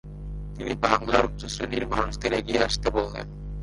তিনি বাংলার উচ্চশ্রেণির মানুষদের এগিয়ে আসতে বলেন ।